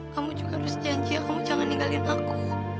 kamu juga harus janji kamu jangan ninggalin aku